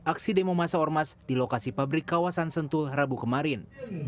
aksi demo masa ormas di lokasi pabrik kawasan sentul rabu kemarin